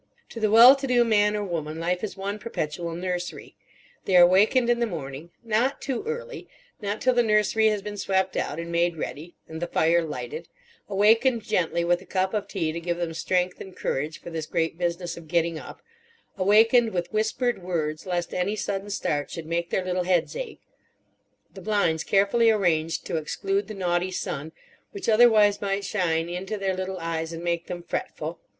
To the well to do man or woman life is one perpetual nursery. They are wakened in the morning—not too early, not till the nursery has been swept out and made ready, and the fire lighted—awakened gently with a cup of tea to give them strength and courage for this great business of getting up—awakened with whispered words, lest any sudden start should make their little heads ache—the blinds carefully arranged to exclude the naughty sun, which otherwise might shine into their little eyes and make them fretful.